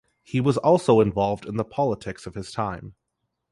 He was also involved in the politics of his time.